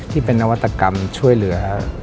ที่เป็นนวัตกรรมช่วยเหลือ